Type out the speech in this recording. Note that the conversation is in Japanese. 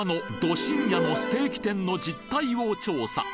深夜のステーキ店の実態を調査